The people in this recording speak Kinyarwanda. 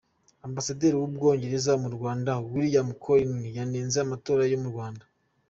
Ambasaderi w’u Bwongereza mu Rwanda, William Gelling, yanenze amatora yo mu Rwanda.